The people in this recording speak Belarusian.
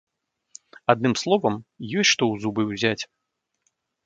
Адным словам, ёсць што ў зубы ўзяць.